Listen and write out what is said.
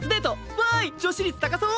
わい女子率高そう！